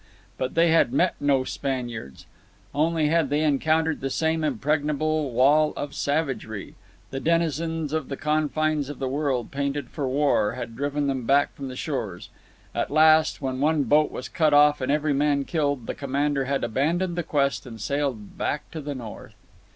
But they had met no Spaniards. Only had they encountered the same impregnable wall of savagery. The denizens of the confines of the world, painted for war, had driven them back from the shores. At last, when one boat was cut off and every man killed, the commander had abandoned the quest and sailed back to the north.